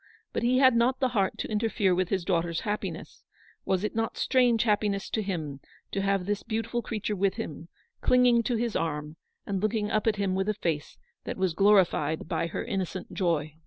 But he had not the heart to interfere with his daugh ter's happiness — was it not strange happiness to him to have this beautiful creature with him, clinging to his arm, and looking up at him with a face that was glorified by her innocent joy.